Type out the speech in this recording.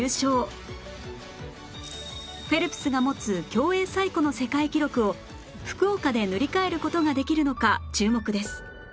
フェルプスが持つ競泳最古の世界記録を福岡で塗り替える事ができるのか注目です